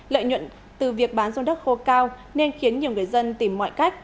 lợi nhuận từ việc bán ruồn đất khô cao nên khiến nhiều người dân tìm mọi cách